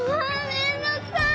めんどうくさい！